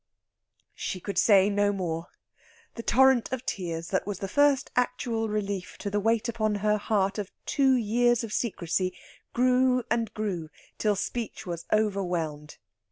She could say no more. The torrent of tears that was the first actual relief to the weight upon her heart of two years of secrecy grew and grew till speech was overwhelmed.